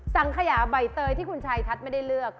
สังขยาใบเตยที่คุณชายทัศน์ไม่ได้เลือก